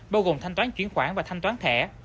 bao gồm thanh toán chuyển khoản và thanh toán thẻ